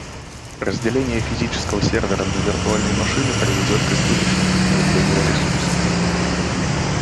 Разделение физического сервера на виртуальные машины приведет к избыточному потреблению ресурсов